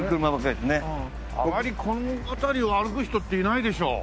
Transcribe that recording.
あまりこの辺りを歩く人っていないでしょう。